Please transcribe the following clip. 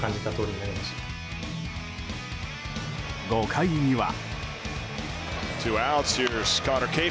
５回には。